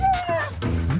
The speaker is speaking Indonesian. kok gak keliatan